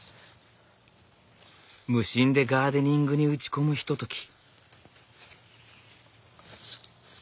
無心でガーデニングに打ち込むひととき。